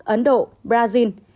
ấn độ brazil